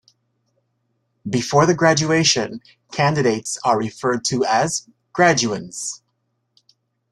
Before the graduation, candidates are referred to as graduands.